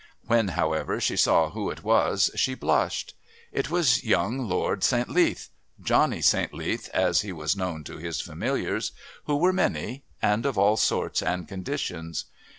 When, however, she saw who it was she blushed. It was young Lord St. Leath Johnny St. Leath, as he was known to his familiars, who were many and of all sorts and conditions.